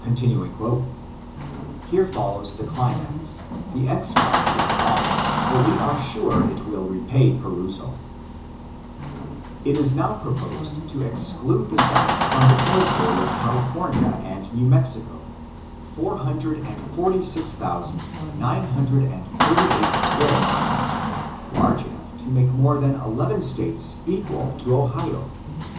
'*Here foUows the climax. The extract is long, but we are sure it will repay perusal :— '"It is now proposed to exclude the South from the Territory of California and New Mexico, four hundred and forty six thousand, nine hundred and thirty eight square miles, large enough to make more than eleven States equal to Ohio.